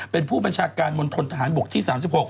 เป็นผู้บัญชาการบุญทนฐานบกที่๓๖